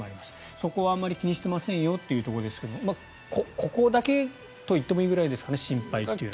そこはあまり気にしていませんよというところですがここだけといってもいいぐらいですかね、心配は。